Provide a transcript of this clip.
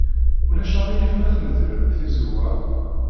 Ulac aɣilif ma tmedlemt tizewwa?